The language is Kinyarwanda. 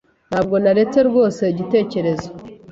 Ntabwo naretse rwose igitekerezo.